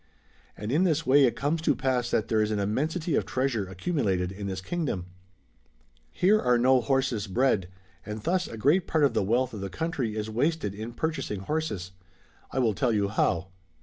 And in this way it comes to pass that there is an immensity of treasure accumulated in this kingdom.*^ Here are no horses bred ; and thus a great part of the wealth of the country is wasted in purchasing horses ; I will tell you how.